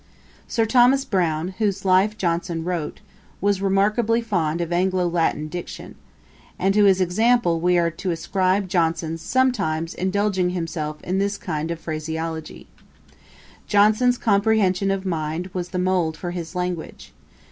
] Sir Thomas Brown, whose life Johnson wrote, was remarkably fond of Anglo Latian diction; and to his example we are to ascribe Johnson's sometimes indulging himself in this kind of phraseology'. Johnson's comprehension of mind was the mould for his language.